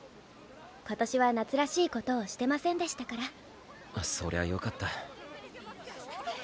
今年は夏らしいことをしてませんでしたからそりゃよかった